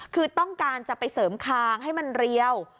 คือต้องการจะไปเสริมคางให้มันเรียว